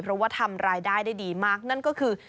เพราะว่าทำรายได้ได้ดีมากนั่นก็คือ